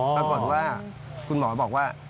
ปรากฏว่าคุณหมอบอกว่า